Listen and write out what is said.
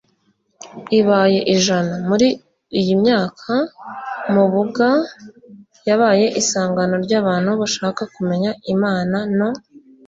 ibaye ijana. muri iyi myaka mubuga yabaye isangano ry'abantu bashaka kumenya imana no